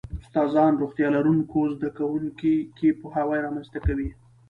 استادان روغتیا لرونکو زده کوونکو کې پوهاوی رامنځته کوي.